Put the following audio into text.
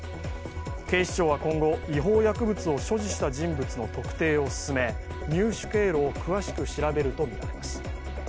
警視庁は今後、違法薬物を所持した人物の特定を進め入手経路を詳しく調べるとみられます。